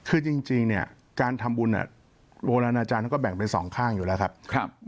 คือจริงเนี่ยการทำบุญโรนาจารย์ก็แบ่งเป็นสองข้างอยู่แล้วครับ